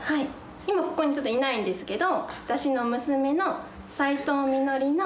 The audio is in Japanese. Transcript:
今ここにちょっといないんですけど。